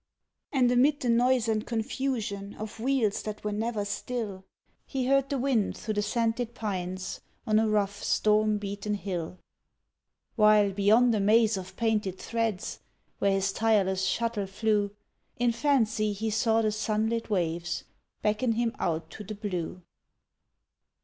And amid the noise and confusion Of wheels that were never still, He heard the wind through the scented pines On a rough, storm beaten hill; While, beyond a maze of painted threads, Where his tireless shuttle flew, In fancy he saw the sunlit waves Beckon him out to the blue.